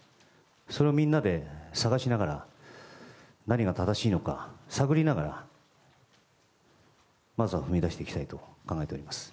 それをみんなで探しながら何が正しいのか探りながらまずは踏み出していきたいと考えております。